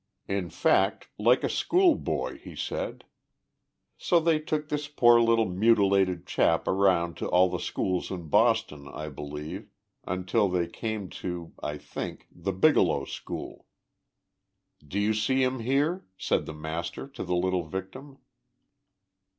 In fact , 1 like a school boy,* he said. So they took this poor little mutilated chap around to all the schools in Boston, I believe, until they came to, I think, the Bigelow school. 1 Do you see him here ?' said the master to the little victim.